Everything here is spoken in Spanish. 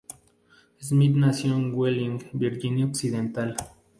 Smith nació en Wheeling, Virginia Occidental.